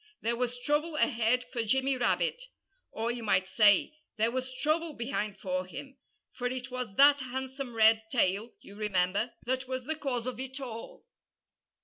There was trouble ahead for Jimmy Rabbit or, you might say, there was trouble behind for him; for it was that handsome red tail, you remember, that was the cause of it all.